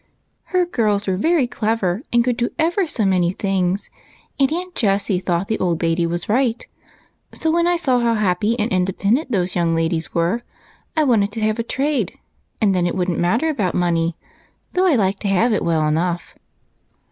Her girls were very clever, and could do ever so many things, and Aunt Jessie thought the old lady was right; so when I saw how happy and independent those young ladies Avere, I wanted to have a trade, and then it would n't matter about money, though I like to have it well enough."